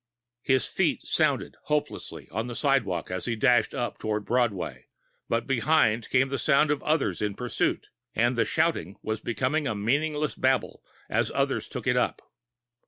His feet sounded hopelessly on the sidewalk as he dashed up toward Broadway, but behind came the sound of others in pursuit, and the shouting was becoming a meaningless babble as others took it up.